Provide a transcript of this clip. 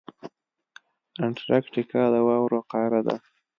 انټارکټیکا د واورو قاره ده.